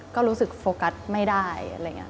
ก็รู้สึกโฟกัสไม่ได้